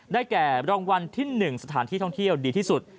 แก่รางวัลที่๑สถานที่ท่องเที่ยวดีที่สุด